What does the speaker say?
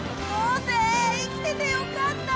生生きててよかった！